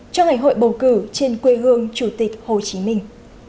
cho ngày hội bầu cử trên quê hương chủ tịch hồ chí minh